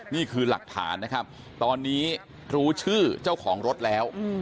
นี่คือหลักฐานนะครับตอนนี้รู้ชื่อเจ้าของรถแล้ว